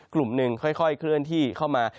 กลุ่มหนึ่งค่อยเคลื่อนที่เข้ามา